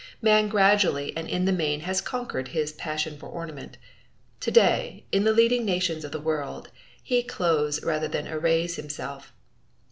Man gradually and in the main has conquered his passion for ornament. To day, in the leading nations of the world, he clothes rather than arrays himself.